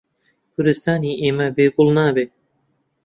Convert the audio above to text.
کوردستانی ئێمە بێ گوڵ نابێ